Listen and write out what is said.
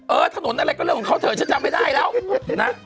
ถนนอะไรก็เรื่องของเขาเถอะฉันจำไม่ได้แล้วนะ